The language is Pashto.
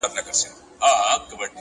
زحمت د خوبونو ریښتینی قیمت دی!